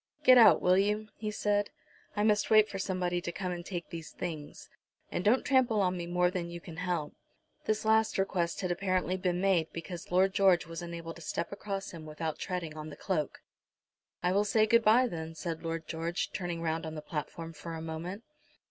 "Get out, will you?" he said. "I must wait for somebody to come and take these things. And don't trample on me more than you can help." This last request had apparently been made, because Lord George was unable to step across him without treading on the cloak. "I will say good bye, then," said Lord George, turning round on the platform for a moment.